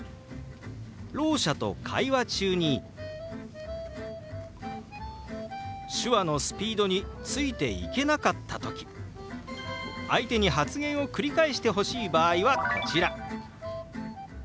ろう者と会話中に手話のスピードについていけなかった時相手に発言を繰り返してほしい場合はこちら。